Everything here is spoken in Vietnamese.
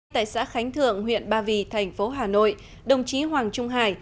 tại xã khánh thượng huyện ba vì thành phố hà nội đồng chí hoàng trung hải